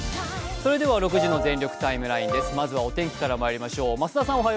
それでは６時の「全力ＴＩＭＥライン」ですまずはお天気からまいりましょう。